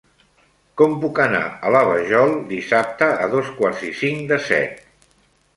Com puc anar a la Vajol dissabte a dos quarts i cinc de set?